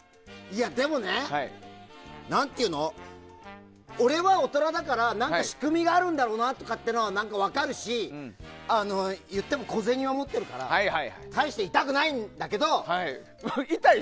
でもね、俺は大人だから何か仕組みがあるんだろうなとかっていうのは分かるし言っても小銭は持ってるから対して痛くないんだけど！